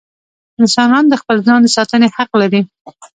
انسانان د خپل ځان د ساتنې حق لري.